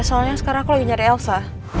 soalnya sekarang aku lagi nyari elsa